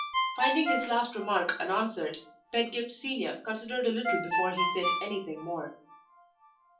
Finding his last remark unanswered, Pedgift Senior considered a little before he said anything more.